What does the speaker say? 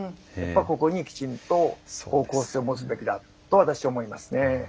ここにきちんと方向性を持つべきだと私は思いますね。